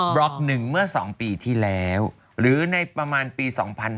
ล็อก๑เมื่อ๒ปีที่แล้วหรือในประมาณปี๒๕๕๙